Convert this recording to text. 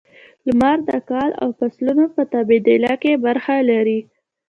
• لمر د کال او فصلونو په تبادله کې برخه لري.